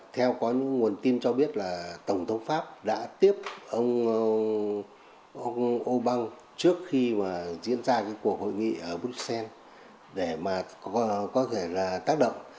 thông tin cho biết là tổng thống pháp đã tiếp ông obang trước khi mà diễn ra cuộc hội nghị ở bruxelles để mà có thể là tác động